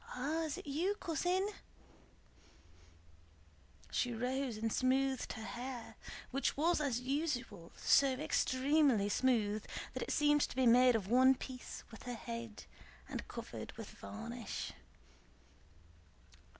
"Ah, is it you, cousin?" She rose and smoothed her hair, which was as usual so extremely smooth that it seemed to be made of one piece with her head and covered with varnish.